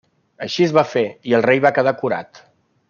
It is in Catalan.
Així es va fer i el rei va quedar curat.